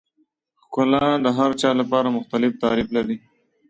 ښکلا د هر چا لپاره مختلف تعریف لري.